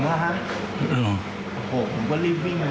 ลงมาจากเกือบเห็นปว่าอืมอืมอืม